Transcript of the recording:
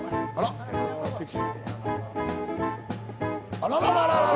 あらららら！